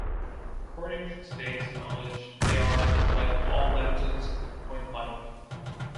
According to today's knowledge they are, like all leptons, point-like.